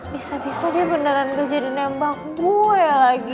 bisa bisa dia beneran gak jadi nembak gue lagi